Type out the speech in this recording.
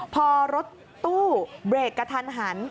พอรถตู้เบรกกระทันหัน